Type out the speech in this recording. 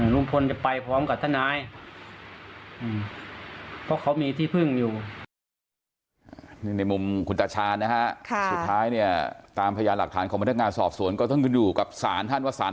ลุงพลจะไปพร้อมกับท่านาย